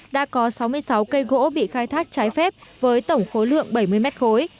đã có sáu mươi sáu cây gỗ bị khai thác trái phép với tổng khối lượng bảy mươi mét khối